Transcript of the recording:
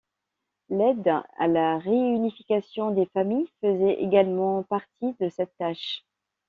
L’aide à la réunification des familles faisait également partie de cette tâche.